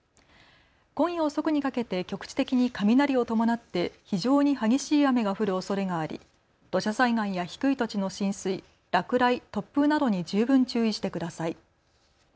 今夜遅くにかけて局地的に雷を伴って非常に激しい雨が降るおそれがあり土砂災害や低い土地の浸水、落雷、突風などに十分注意してください。